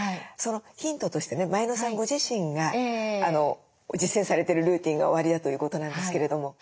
そのヒントとしてね前野さんご自身が実践されてるルーティンがおありだということなんですけれども。